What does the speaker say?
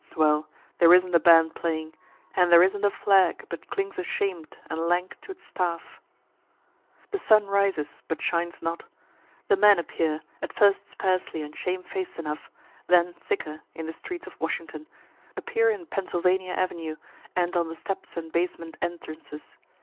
Well, there isn't a band playing and there isn't a flag but clings ashamed and lank to its staff. The sun rises, but shines not. The men appear, at first sparsely and shame faced enough, then thicker, in the streets of Washington appear in Pennsylvania avenue, and on the steps and basement entrances.